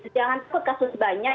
jangan terkut kasus banyak